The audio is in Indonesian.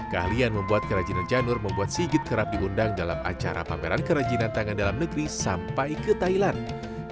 keahlian membuat kerajinan janur membuat sigit kerap diundang dalam acara pameran kerajinan tangan dalam negeri sampai ke thailand